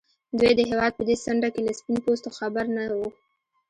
دوی د هېواد په دې څنډه کې له سپين پوستو خبر نه وو.